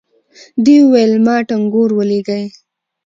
دې وويل ما ټنګور ولېږئ.